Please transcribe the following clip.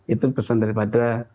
itu pesan daripada